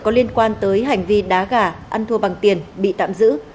có liên quan tới hành vi đá gà ăn thua bằng tiền bị tạm giữ